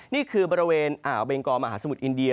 นี่คือบริเวณอ่าวเบงกอมหาสมุทรอินเดีย